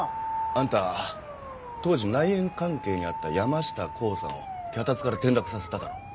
あんた当時内縁関係にあった山下洸さんを脚立から転落させただろう。